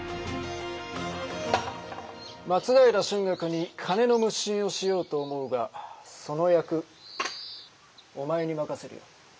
松平春嶽に金の無心をしようと思うがその役お前に任せるよ。